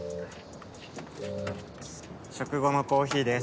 食後のコーヒーです。